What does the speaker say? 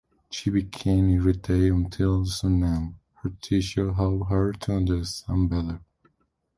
She became irritated until Tsubame, her teacher, helped her to understand better.